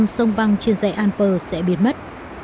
chín mươi sông băng trên dãy alper sẽ biến mất